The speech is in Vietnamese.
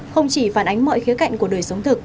không chỉ phản ánh mọi khía cạnh của đời sống thực